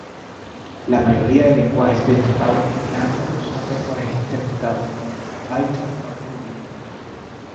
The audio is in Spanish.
La mayoría de lenguajes de tipado dinámico son lenguajes interpretados, como Python o Ruby.